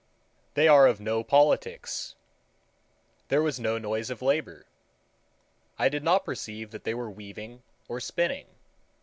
They are of no politics. There was no noise of labor. I did not perceive that they were weaving or spinning.